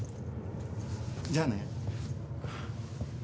じゃあね。